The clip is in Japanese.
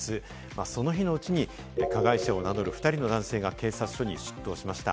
その日のうちに加害者を名乗る２人の男性が警察署に出頭しました。